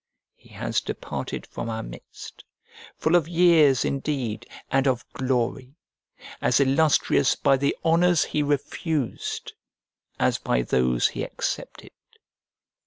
He has departed from our midst, full of years, indeed, and of glory; as illustrious by the honours he refused as by those he accepted.